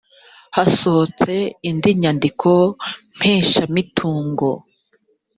hasohotse indi nyandikompesha imitungo